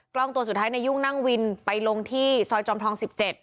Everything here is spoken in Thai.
กล้องตัวสุดท้ายนายยุ่งนั่งวินไปลงที่ซอยจอมทอง๑๗